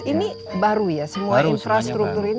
ini baru ya semua infrastruktur ini